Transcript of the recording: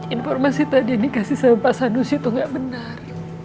informasi tadi yang dikasih sama pak sanusi tuh gak benar